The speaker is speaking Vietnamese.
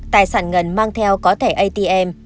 tài sản ngân mang theo có thẻ atm